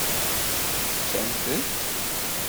Teččamt-t?